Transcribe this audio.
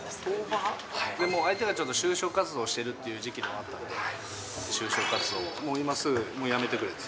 相手がちょっと就職活動してるっていう時期でもあったんで、就職活動を今すぐ、もうやめてくれって。